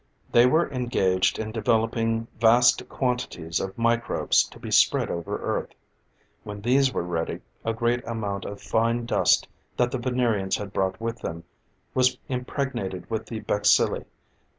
They were engaged in developing vast quantities of microbes to be spread over Earth. When these were ready, a great amount of fine dust that the Venerians had brought with them, was impregnated with the bacilli.